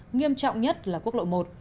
nghiêm trọng nhất là quốc lộ một